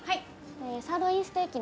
サーロインステーキのＡセット。